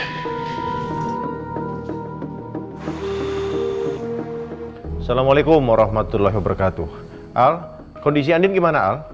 assalamualaikum warahmatullahi wabarakatuh al kondisi andin gimana al